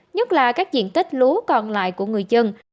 nhất là các diện tích lúa còn lại của người dân